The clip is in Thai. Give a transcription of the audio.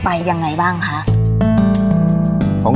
บริเวณริมแม่น้ำโขง